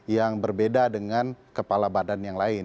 yang berbeda dengan kepala badan yang lain